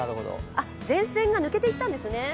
前線が抜けていったんですね。